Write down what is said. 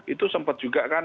itu sempat juga kan